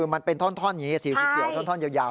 มันเป็นท่อนเหยียวท่อนเยาว